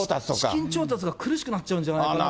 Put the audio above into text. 資金調達が苦しくなっちゃうんじゃないかなと。